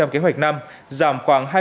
bảy tám kế hoạch năm giảm khoảng